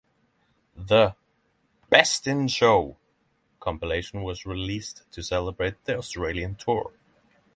The "Best in Show" compilation was released to celebrate the Australian tour.